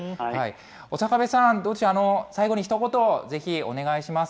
刑部さん、最後にひと言、ぜひお願いします。